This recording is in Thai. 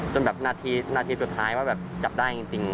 จนแบบนาทีสุดท้ายว่าแบบจับได้จริง